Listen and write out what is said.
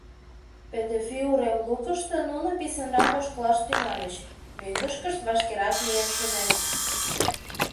Пӧтӧфи урем лукышто нуно писынрак ошкылаш тӱҥальыч — мӧҥгышкышт вашкерак миен шунешт.